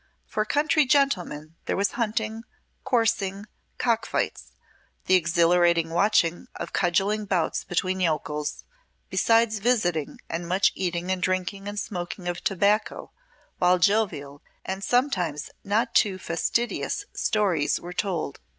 For country gentlemen there was hunting, coursing, cock fights, the exhilarating watching of cudgelling bouts between yokels, besides visiting, and much eating and drinking and smoking of tobacco while jovial, and sometimes not too fastidious stories were told.